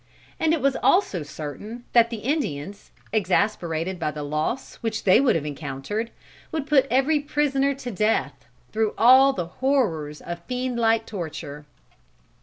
And it was also certain that the Indians, exasperated by the loss which they would have encountered, would put every prisoner to death, through all the horrors of fiendlike torture.